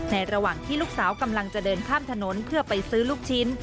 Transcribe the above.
ระหว่างที่ลูกสาวกำลังจะเดินข้ามถนนเพื่อไปซื้อลูกชิ้น